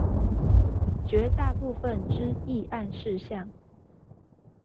絕大部分之議案事項